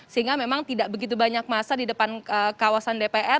sehingga memang tidak begitu banyak masa di depan kawasan dpr